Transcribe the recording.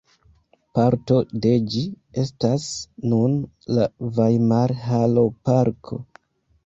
Parto de ĝi estas nun la Vajmarhaloparko.